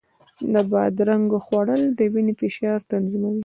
د بادرنګو خوړل د وینې فشار تنظیموي.